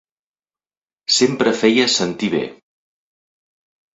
Sempre feia sentir bé.